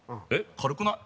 軽くない？